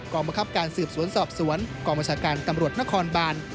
บังคับการสืบสวนสอบสวนกองบัญชาการตำรวจนครบาน